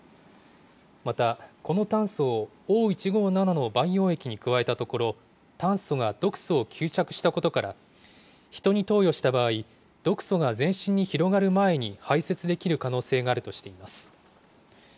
またこの炭素をＯ１５７の培養液に加えたところ、炭素が毒素を吸着したことから、ヒトに投与した場合、毒素が全身に広がる前に排せつできる可能性があるとしています。